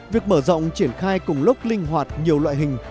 việc mở rộng triển khai cùng lúc linh hoạt nhiều loại hình